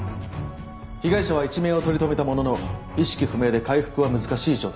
被害者は一命を取り留めたものの意識不明で回復は難しい状態です。